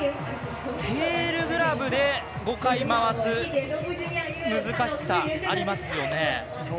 テールグラブで５回転回す難しさありますよね。